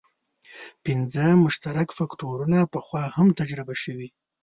پنځه مشترک فکټورونه پخوا هم تجربه شوي.